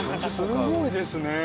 すごいですね！